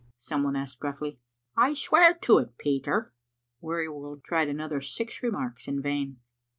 some one asked gruffly. "I swear to it, Peter." Wearyworld tried another six remarks in vain.